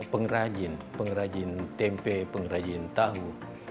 pengrajin pengrajin tempe pengrajin tahu